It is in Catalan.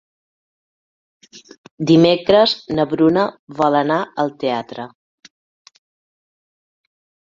Dimecres na Bruna vol anar al teatre.